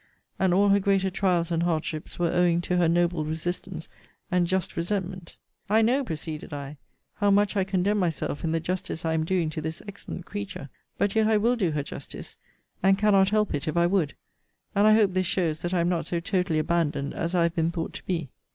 And all her greater trials and hardships were owing to her noble resistance and just resentment. 'I know, proceeded I, how much I condemn myself in the justice I am doing to this excellent creature. But yet I will do her justice, and cannot help it if I would. And I hope this shows that I am not so totally abandoned as I have been thought to be.